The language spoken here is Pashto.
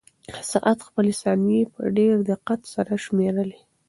ساعت خپلې ثانیې په ډېر دقت سره شمارلې.